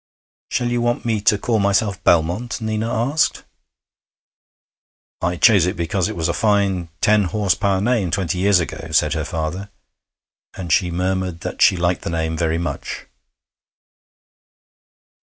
'Shall you want me to call myself Belmont?' Nina asked. 'I chose it because it was a fine ten horse power name twenty years ago,' said her father; and she murmured that she liked the name very much.